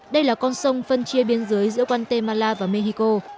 đây là con sông phân chia biên giới giữa guatemala và mexico